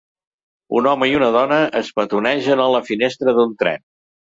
Un home i una dona es petonegen a la finestra d'un tren.